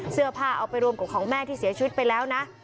เสื้อผ้าเอาไปรวมกับของแม่ที่เสียชีวิตไปแล้วนะ